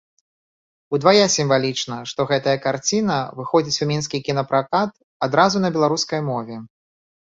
Удвая сімвалічна, што гэтая карціна выходзіць у мінскі кінапракат адразу на беларускай мове.